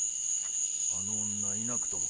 あの女いなくとも。